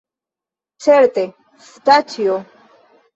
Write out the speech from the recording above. Certe, Staĉjo?